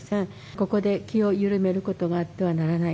ここで気を緩めることがあってはならない。